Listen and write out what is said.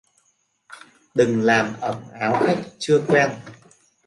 Đừng làm ẩm áo khách chưa quen.